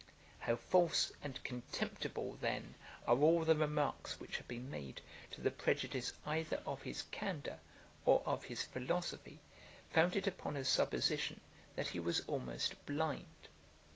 How false and contemptible then are all the remarks which have been made to the prejudice either of his candour or of his philosophy, founded upon a supposition that he was almost blind.